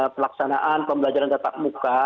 pelaksanaan pembelajaran tetap muka